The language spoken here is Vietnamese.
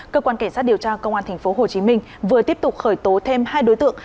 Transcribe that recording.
cơ quan cảnh sát điều tra công an tp hcm vừa tiếp tục khởi tố thêm hai đối tượng